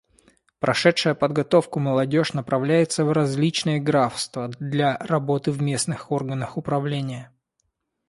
Прошедшая подготовку молодежь направляется в различные графства для работы в местных органах управления.